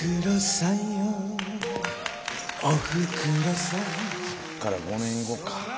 そっから５年後か。